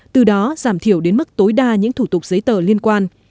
từ đó giảm thiểu đến mức tối đa những thủ tục giấy tờ liên quan